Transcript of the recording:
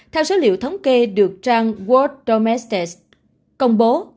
theo số liệu thống kê được trang world romesta công bố